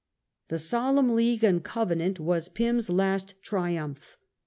The " Solemn League and Covenant " was Pym's last triumph.